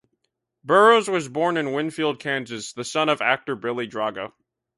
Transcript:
Burrows was born in Winfield, Kansas, the son of actor Billy Drago.